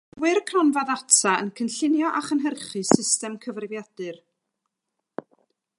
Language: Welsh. Mae gweinyddwr cronfa ddata yn cynllunio a chynhyrchu system cyfrifiadur